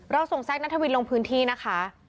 ส่งแซคนัทวินลงพื้นที่นะคะ